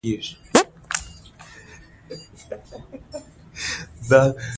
چنګلونه د افغان ځوانانو د هیلو استازیتوب کوي.